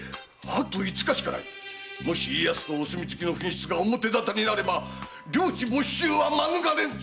もし家康公お墨付きの紛失が表沙汰になれば領地没収は免れぬぞ‼